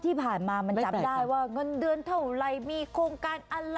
ที่ผ่านมามันจับได้ว่าเงินเดือนเท่าไหร่มีโครงการอะไร